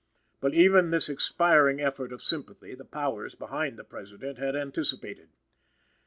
But even this expiring effort of sympathy, the powers behind the President had anticipated.